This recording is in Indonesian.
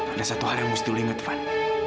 ada satu hal yang mesti lo inget van